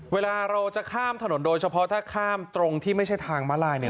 เวลาเราจะข้ามถนนโดยเฉพาะถ้าข้ามตรงที่ไม่ใช่ทางมาลายเนี่ย